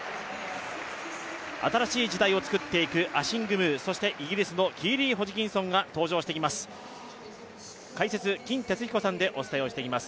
新しい時代を作っていくアシング・ムー、そしてイギリスのキーリー・ホジキンソンが来ています。